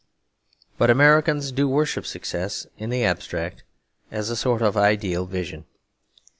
But Americans do worship success in the abstract, as a sort of ideal vision.